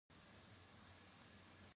پسرلی د افغانستان د زرغونتیا نښه ده.